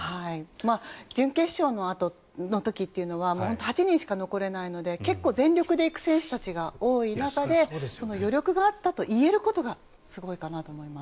準決勝のあとの時というのは８人しか残れないので結構、全力で行く選手たちが多い中で余力があったと言えることがすごいかなと思います。